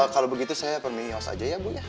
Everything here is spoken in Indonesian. kalau begitu saya permintaan ya saja ya bu ya